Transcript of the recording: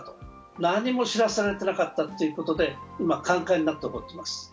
何も知らされてなかったということで、今カンカンになって怒ってます。